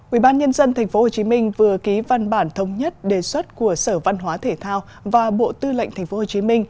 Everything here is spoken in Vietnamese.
ubnd tp hcm vừa ký văn bản thống nhất đề xuất của sở văn hóa thể thao và bộ tư lệnh tp hcm